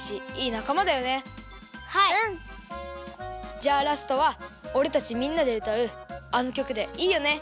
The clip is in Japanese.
じゃあラストはおれたちみんなでうたうあのきょくでいいよね？